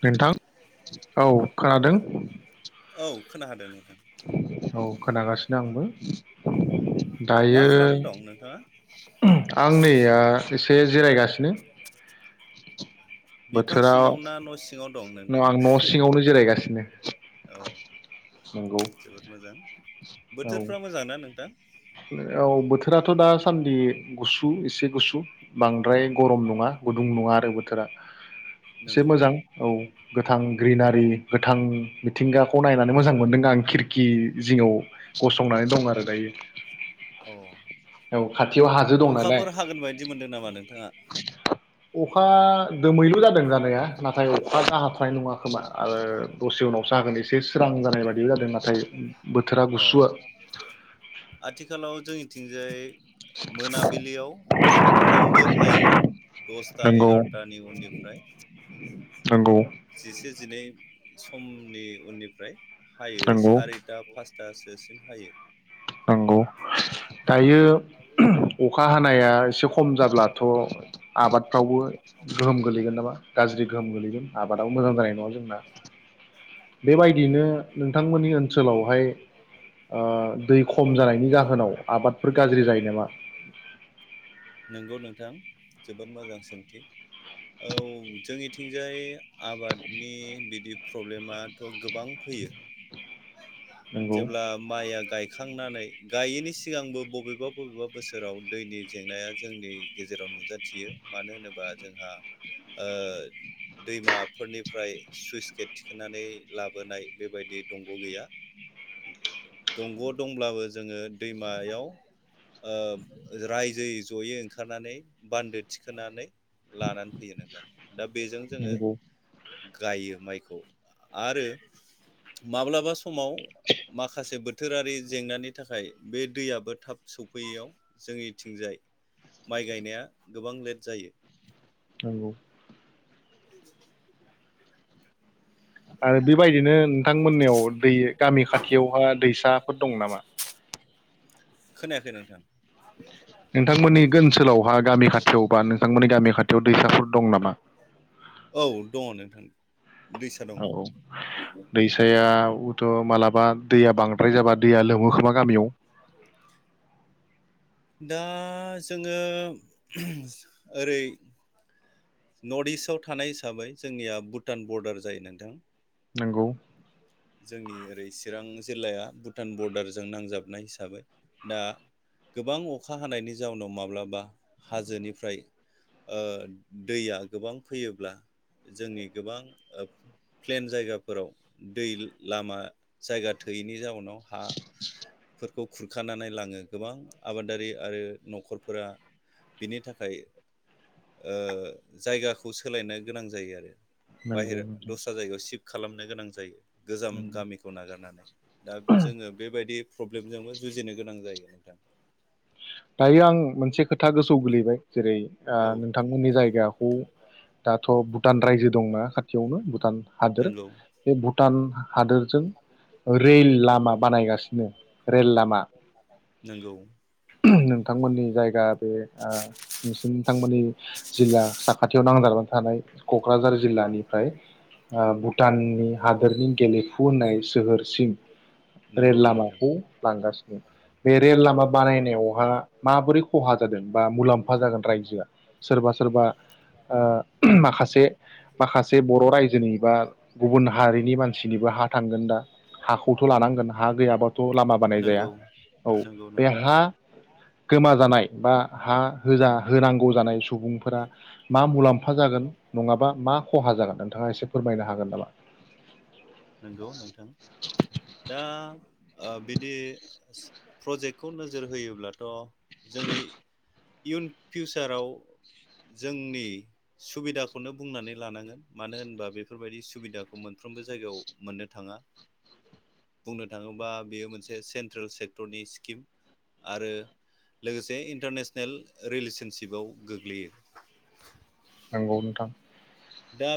नोंथां औ खोनादों। औ खोनाहादों नोंथां औ खोनागासिनो आंबो। मा दायो खालामनो दं नोंथाङा? आं नैया। एसे जिरायगासिनो। [inaudible] बिफां बोथोराव सिङाव ना न'सिङाव दं? दं नोंथां आं न' सिङावनो जिरायगासिनो औ नंगौ जोबोद मोजां औ बोथोरफ्रा मोजांना नोंथां? औ बोथोराथ दासान्दि गुसु एसे गुसु बां बांद्राय गरम नङा गुदुं नङा आरो बोथोरा एसे नंगौ मोजां औ। गोथां ग्रिनारि गोथां मिथिंगा खौ नायनानै मोजां मोनदों आं खिरखि जिङाव गसंनानै दं आरो दायो औ औ खाथियाव हाजो दं नालाय अखाफोर हागोन बायदि मोनदों नामा नोंथाङा? अखा दोमैलु जादों जानाया नाथाय अखा दा अखा हानाय नङ खोमा आरो दसे उनावसाहागोन एसे स्रां जानाय बायदि जादों नाथाय बोथोरा औ गुसुवआ आथिखालाव जोंनिथिंजाय मोनाबिलियाव सामफ्रामबो हायो दसथा नंगौ एगारथानि उननिफ्राय नंगौ जिसे जिनै [inaudible] समनि उननिफ्राय हायो नंगौ सारिता पास दासोसिम हायो। नंगौ दायो अखा हानाया एसे खम जाब्लाथ' आबादफ्रावबो गोहोम गोलैगोन नामा गाज्रि गोहोम गोलैगोन आबादाबो मोजां जानाय नङा जोंना। बेबायदिनो नोंथांमोननि ओनसोलावहाय ओ दै खम जानायनि जाहोनाव आबादफोर गाज्रि जायो नामा? नंगौ नोंथां जोबोद मोजां सोंथि औ जोंनिथिंजाय आबादनि बिदि प्रब्लेमाथ' गोबां फैयो। नंगौ जेब्ला माइया गाय खांनानै गायैनि सिगांबो बबेबा बबेबा बोसोराव दैनि जेंनाया जोंनि गेजेराव नुजाथियो मानो होनोबा जोंहा ओ दैमाफोरनिफ्राय सुइस गेट थिखांनानै लाबोनाय बेबायदि दंग' गैया। दंग' दंब्लाबो जोङो दैमायाव ओ रायजोयै जयै ओंखारनानै बान्दो थिखोनानै लानानै फैयो नोंथां दा बेजों जोङो नंगौ गायो माइखौ आरो माब्लाबा समाव माखासे बो थोरारि जेंनानि थाखाय बे दैयाबो थाब सौफैयैयाव जोंनिथिंजाय माइ गायनाया गोबां लेट जायो। नंगौ आरो बेबायदिनो नोंथांमोननियाव दै गामि खाथियावहा दैसाफोर दं नामा? खोनायाखै नोंथां नोंथांमोननि ओनसोलावहा गामि खाथियाव बा नोंथांमोननि गामि खाथियाव दैसाफोर दं नामा? औ दङ नोंथां दैसा दं औ औ दैसायावथ' मालाबा दैया बांद्राय जाबा दैया लोमो खोमा गामियाव दा जोङो [unintelligible] ओरै- नर्थ इस्टआव थानाय हिसाबै जोंनिया भुटान बरडार जायो नोंथां। नोंगौ जोंनि ओरै चिरां जिल्लाया भुटान बरडारजों नांजाबनाय हिसाबै दा गोबां अखा हानायनि जाउनाव माब्लाबा हाजोनिफ्राय ओ दैया गोबां फैयोब्ला जोंनि गोबां ओ प्लेन जायगाफोराव दै लामा जायगा थोयैनि जाउनाव हा फोर खौ खुरखानानै लाङो गोबां आबादारि आरो नखरफोरा बिनि थाखाय ओ जायगाखौ सोलायनो गोनां जायो आरो। नंगौ बाहेरा नोंथां दस्रा जायगायाव सिफ्ट खालाम नो गोनां जायो। गोजाम नंगौ गामिखौ नागारनानै दा जोङो बेबायदि प्रब्लेमजोंबो जुजिनो गोनां जायो। [inaudible] दायो आं मोनसे खोथा गोसोआव गोलैबाय जेरै- आ औ नोंथांमोननि जायगाखौ दाथ' भुटान रायजो दंना खाथियावनो भुटान हादोर नंगौ बे भुटान हादोरजों रेल लामा बानायगासिनो रेल लामा नंगौ नोंथांमोननि जायगा बे नोंसि नोंथांमोननि जिल्ला साखाथियाव नांजाबनानै थानाय कक्राझार जिल्लानिफ्राय भुटाननि हादोरनि गेलेफु होननाय सोहोरसिम रेल नंगौ नोंथां लामाखौ लांगासिनो बे रेल लामा बानायनाय बेवहा माबोरै खहा जादों? बा मुलाम्फा जागोन रायजोआ सोरबा सोरबा माखासे माखासे बर' रायजोनि बा गुबुन हारिनि मानसिनिबो हा थांगोन दा हाखौथ लानांगोन हा गैयाबाथ' लामा बानाय जाया नंगौ औ नंगौ बे नोंथां हा गोमाजानाय बा हा होजा होनांगौ जानाय सुबुंफोरा मा मुलाम्फा जागोन नङाबा मा खहा जागोन नोंथाङा एसे फोरमायनो हागोन नामा? नंगौ नोंथां दा बिदि प्रजेक्टखौ नोजोर होयोब्लाथ' जोंनि इयुन फिउचाराव जोंनि सुबिदाखौनो बुंनानै लानांगोन मानो होनबा बेफोरबायदि सुबिदाखौ मोनफ्रोमबो जायगायाव मोननो थाङा बुंनो थाङोबा बेयो मोनसे सेन्ट्रेल सेक्टरनि स्किम आरो लोगोसे इन्टारनेसन सनेल रिलेसनसिपाव गोग्लैयो नंगौ नोंथां। दा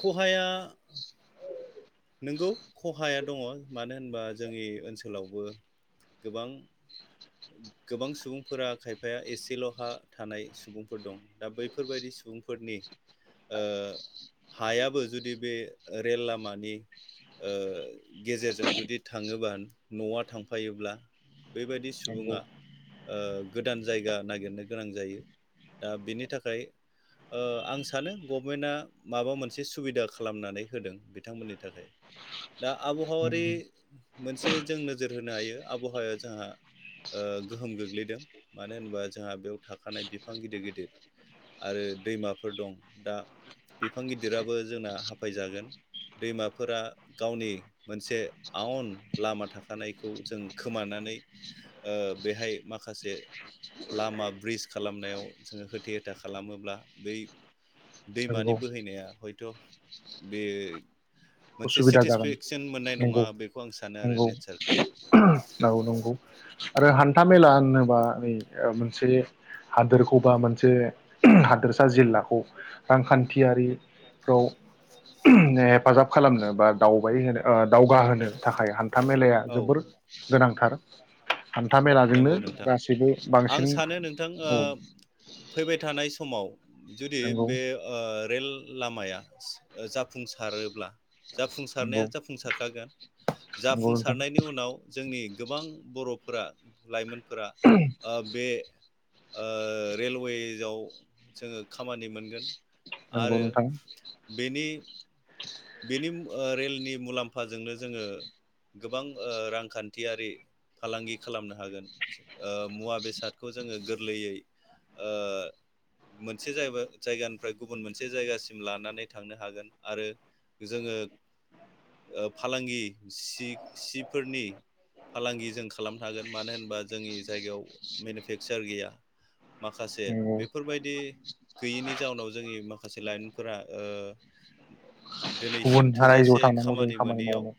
खहाया नोंगौ खहाया दङ' मानो होनबा जोंनि ओनसोलावबो गोबां गोबां सुबुंफोरा खायफाया एसेल' हा थानाय सुबुंफोर दं दा बैफोरबायदि सुबुंफोरनि ओ हायाबो जुदि बे रेल लामानि ओ गेजेरजों जुदि थाङोबा न'आ थांफायोब्ला बेबायदि सु नंगौ सुबुङा ओ गोदान जायगा नागिरनो गोनां जायो दा बिनि थाखाय आं सानो गभमेन्टआ माबा मोनसे सुबिदा खालामनानै होदों बिथांमोननि थाखाय दा आबहावारि मोनसे जों नोजोर होनो हायो आबहावाया जोंहा ओ गोहोम गोग्लैदों मानो होनोबा जोंहा बेयाव थाखानाय बिफां गिदिर गिदिर आरो दैमाफोर दं दा बिफां गिदिराबो जोंना हाफायजागोन दैमाफोरा गावनि मोनसे आवन लामा थाखानायखौ जों खोमानानै ओ बेहाय माखासे लामा ब्रिज खालामनायाव जोङो होथे होथा खालामोब्ला बै दैमानि नंगौ बोहैनाया हयथ' बे मोनसे उसुबिदा जागोन सेटिसफेक्सन मोननाय नंगौ नङा बेखौ आं सानो आरो नंगौ नेचारखौ नंगौ नंगौ। आरो हान्था मेला होनोबा नै मोनसे हादोरखौ बा मोनसे हादोरसा जिल्लाखौ रांखान्थियारिफ्राव हेफाजाब खालामनो बा दावबाय होनो ओ दावगाहोनो थाखाय हान्था मेलाया औ जोबोर गोनांथार हान्था मेलाजोंनो नंगौ नोंथां गासैबो आं बांसिन सानो नोंथां ओ औ फैबाय थानाय समाव जुदि नंगौ बे ओ रेल लामाया ओ जा फुंसारोब्ला जाफुंसारनाया नंगौ जाफुंसारखागोन नंगौ नोंथां जाफुंसारनायनि उनाव जोंनि गोबां बर' फोरा लाइमोन फोरा ओ बे ओ रेलवेेजाव जोङो खामानि मोनगोन नंगौ आरो नोंथां बेनि बेनि ओ रेल नि मुलाम्फाजोंनो जोङो गोबां ओ रांखान्थियारि फालांगि खालामनो हागोन। ओ मुवा बेसादखौ जोङो गोर लैयै ओ मोनसे जायबा जायगानिफ्राय गुबुन मोनसे जायगासिम लानानै थांनो हागोन आरो जोङो ओ फालांगि सि-सिफोरनि फालांगि जों खालामनो हागोन मानो होनबा जोंनि जायगायाव मेनुफेक्सार गैया माखासे नंगौ बेफोरबायदि गैयिनि जाउनाव जोंनि माखासे लाइमोनफोरा ओ दिनैसिम गुबुनहा रायजोआव थोजासे थांनांगौ जायो खामानि मोनैयाव मावनो।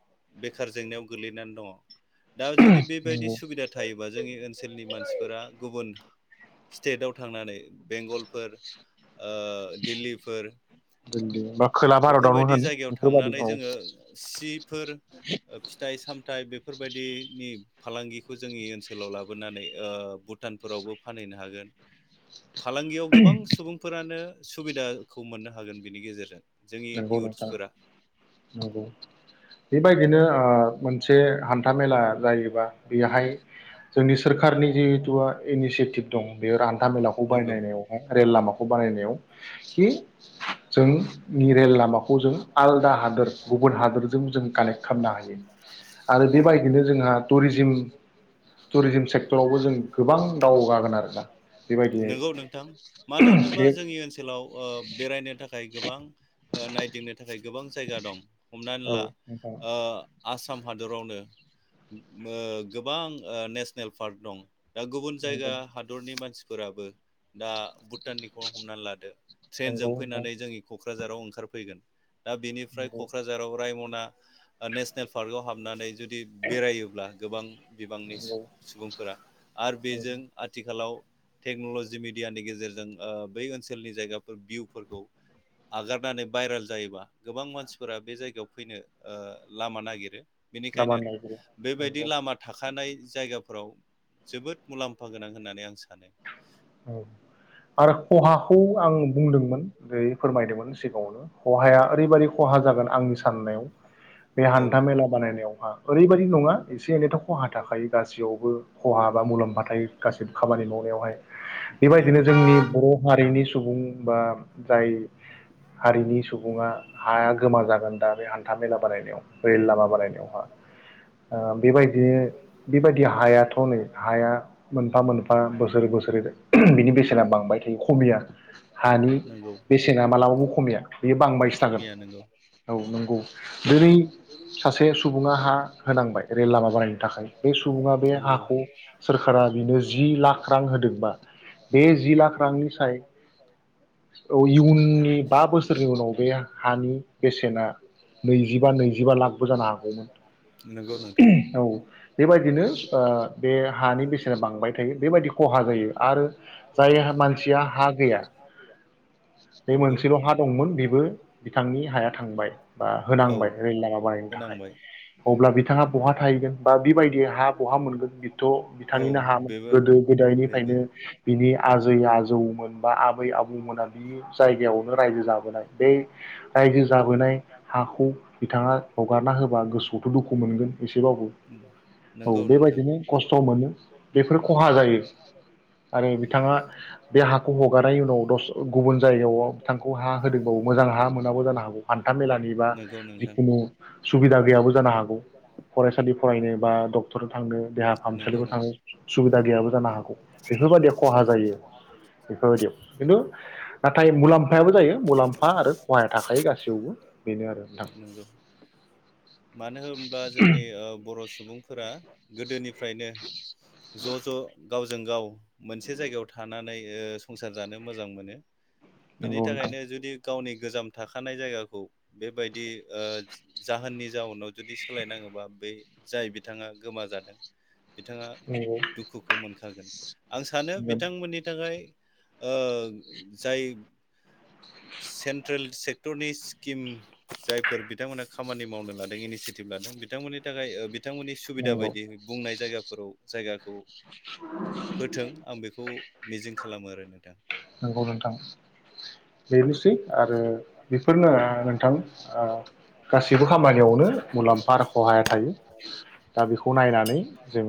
बेखार जेंनायाव गोलैनानै दङ। दा जुदि बेबायदि नंगौ सुबिदा थायोबा जोंनि ओनसोलनि मानसिफोरा गुबुन स्टेदाव थांनानै बेंगलफोर ओ दिल्लीफोर दिल्ली बा खोला भारतावनो बेफोरबायदि होन जायगायाव बेफोरबादि थांनानै औ जोङो सिफोर फिथाइ सामथाइ बेफोरबायदि नि फालांगिखौ जोंनि ओनसोलाव लाबोनानै ओ भु टानफोरावबो फानहैनो हागोन। फालांगियाव गोबां सुबुंफोरानो सुबिदाखौ मोननो हागोन बिनि गेजेरजों जोंनि नोंगौ नोंथां इयुथ्सफोरा नोंगौ बेबाय दिनो ओ मोनसे हान्था मेला जायोबा बेहाय जोंनि सोरखारनि जिहेथु इनिसियेटिभ दं बेयो हान्था मेलाखौ नोंगौ बायनायनायावहाय रेल लामाखौ बानायनायाव कि जों [inaudible] आलदा हादोर गुबुन हादोरजों जों कानेक्ट खालामनो हायो आरो बेबायदिनो जोंहा टुरिजिम टुरिजिम सेक्टरावबो जों गोबां दावगागोन आरोना बेबायदियै नोंगौ नोंथां मानो होनोबा बे जोंनि ओनसोलाव ओ बेरायनो थाखाय ओ नायदिंनो थाखाय गोबां जायगा दं हमनानै औ ला नोंथां ओ आस साम हादरावनो मो गोबां नेसनेल पार्क दं दा गुबुन जायगा नंगौ हादरनि मानसि फोराबो दा भुटाननिखौ हमनानै लादो ट्रेनजों नंगौ नोंथां फैनानै जोंनि कक्राझाराव ओंखारफैगोन दा बिनिफ्राय नंगौ कक्राझाराव रायमन मा नेसनेल पार्कआव हाबनानै जु जुदि बेरायोब्ला गोबां बिबांनि सु नंगौ सुबुंफोरा आरो बेजों आथिखालाव टेक्नलजि मेडियानि गेजेरजों ओ बै ओनसोलनि जायगाफोर भिउफोरखौ आगारनानै भाइरेल जायोबा गोबां मानसिफोरा बे जायगायाव ओ फैनो लामा नागिरो लामा बेनिखायनो नायगिरो बेबायदि नंगौ लामा थाखानाय जायगाफोराव जोबोद मुलाम्फा गोनां होननानै आं सानो। औ आरो खहाखौ आं बुंदोंमोन बै फोरमाय बायदोंमोन सिगाङावनो खहाया ओरैबादि खहा जागोन आंनि साननायाव बे औ हान्था मेला बानायनायावहा ओरैबायाददि नङा एसे एनैथ खहा थाखायो गासैयावबो खहा बा मुलाम्फा थायो गासैबो खामानि मावनायावहाय बेबादिनो नंगौ जोंनि बर हारिनि सुबुं बा जाय हारिनि सुबुङा हा गोमा जागोन दा बे हान्था मेला बानायनायाव रेल लामा बारायनायावहा ओ बेबायदि बेबायदि हायाथ नै हाया मोनफा मोनफा बोसोर बोसोर [unintelligible] बिनि बेसेना बांबाय थायो खमिया हानि नंगौ बेसे ब खमिया बेयो बांबायसो थागोन खमिया नंगौ औ नंगौ दिनै सासे सुबुङा हा होनांबाय रेल लामा बानायायनो थाखाय बे सुबुङा बे नंगौ हाखौ सोरखारा बेनो जि लाख रां होदों बा बे जि लाख रांनि साय औ इउ बे बा बोसोरनि उनाव बे हानि बेसेना नैजिबा नैजिबा लाखबो जानो हागौमोन नंगौ नोंथां [unintelligible] औ बेबायदिनो ओ बे हानि बेसेना बांबाय थायो बेबायदि खहा जायो आरो जाय मानसिया हा गैया बे नंगौ मोनसेल हा दंमोन बेबो बिथांनि हाया थांबाय बा औ होनांबाय रेल लामा बानायनो थाखाय होनांबाय अब्ला बिथाङा बहा थाहैगोन बा बिबायदि हा बहा मोनगोन बेथ औ बिथांनिनो हामोन बेबो गोदो बेबो गोदायनिफ्रायनो बिनि आजै आजौमोन बा आबै आबौमोना बि जायगायावनो रायजो जाबोनाय बे रायजो जाबोनाय हाखौ बिथाङा हगारना होबा गोसोआवथ दुखु मोनगोन एसेबाबो औ नंगौ नोंथां बेबायदिनो खस्थ मोनो बेफोर खहा जायो आरो बिथाङा बे हाखौ हगारनायनि उनाव दस गुबुन जा बिथांखौ हा होदोंबाबो मोजां हा मोनाबो जानो हागौ हान्था मेलानि बा नंगौ नोंथां जिखुनु सुबिदा गैयाबो जानो हागौ फरायसालि फरायनो बा डक्टर थांनो देहा नंगौ फाहामसालिफोर थांनो नोंथां सुबिदा गैयाबो जानो हागौ बेफोरबायदियाव खहा जायो बेफोरबायदियाव खिन्थु नाथाय मुलाम्फायाबो जायो मुलाम्फा आरो खहाया थाखायो गासैयावबो बेनो आरो नोंथां [inaudible] नंगौ मानो होनब्ला जोंनि ओ बर सुबुंफोरा गोदोनि फ्रायनो ज ज गावजों गाव मोनसे जायगायाव थानानै ओ संसार जानो मोजां मोनो। बिनि नंगौ नोंथां थाखायनो जुदि गावनि गोजाम थाखानाय जायगाखौ बेबायदि ओ जाहोननि जाउनाव जुदि सोलायनाङोबा बै जाय बिथाङा गोमाजादों बिथाङा नंगौ दुखुखौ मोनखागोन। आं सानो बिथांमोननि थाखाय ओ जाय सेन्ट्रेल सेक्टरनि स्किम जायफोर बिथांमोना खामानि मावनो लादों इनिसियेटिभ लादों बिथांमोननि थाखाय ओ बिद बिथांमोननि सुबिदा नंगौ बायदि बुंनाय जायगा औ जायगा होथों आं बेखौ मिजिं खालामो आरो नोंथां। नंगौ नोंथां बेनोसै आरो बेफोरनो ओ नोंथां ओ गासैबो खामानियावनो मुलाम्फा आरो खहाया थायो। दा बेखौ नायनानै जों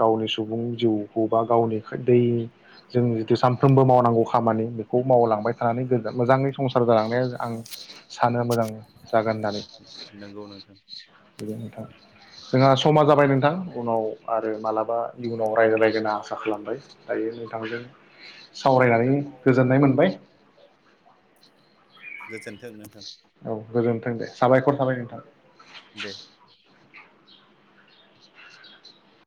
गावनि सुबुं जिउखौ बा गावनि खो दैजों जों जिथु सामफ्रोम नांगौ खामानि बेखौ मावलांबाय थानानै गोजोन मोजाङै संसार जालांनाया आं सानो मोजां जागोन होननानै। नंगौ नोंथां जोंहा समा जाबाय नोंथां उनाव आरो मालाबा इयुनाव राय- रायलायगोना आसा खालामबाय दायो नोंथांजों सावरायनानै गोजोननाय मोनबाय। गोजोनथों नोंथां औ गोजोनथों दे साबायखर थाबाय नोंथां। दे